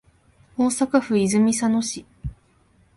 大阪府泉佐野市